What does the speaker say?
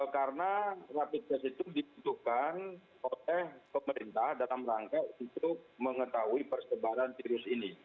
karena rapid test itu dibutuhkan koteh pemerintah dalam rangka untuk mengetahui persebaran virus ini